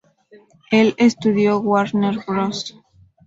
El estudio Warner Bros.